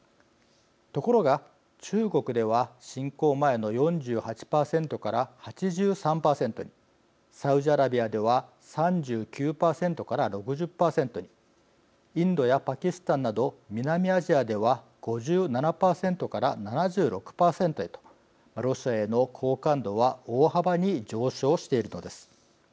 ところが、中国では侵攻前の４８％から８３％にサウジアラビアでは３９％から６０％にインドやパキスタンなど南アジアでは５７％から７６％へとロシアへの好感度は大幅に上昇しているのです。